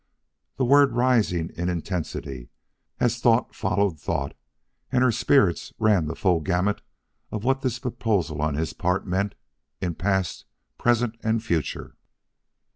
the word rising in intensity as thought followed thought and her spirits ran the full gamut of what this proposal on his part meant in past, present and future.